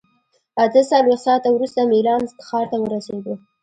اته څلوېښت ساعته وروسته میلان ښار ته ورسېدو.